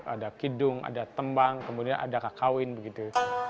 ada kidung ada tembang kemudian ada kakawin begitu